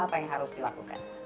apa yang harus dilakukan